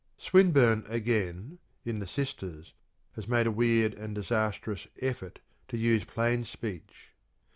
Swinburne again, in the "Sisters," has made a weird and disastrous effort to use plain speech.